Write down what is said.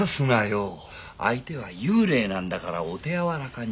相手は幽霊なんだからお手柔らかに。